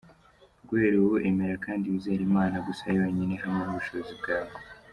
Guhera ubu emera kandi wizere Imana gusa yonyine hamwe n’ubushobozi bwawe.